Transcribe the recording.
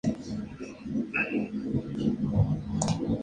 Dicho Marquesado se halla vigente en la actualidad, a favor de sus sucesores.